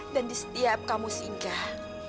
dan di setiap kamu singgah